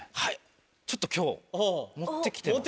ちょっと今日持って来てます。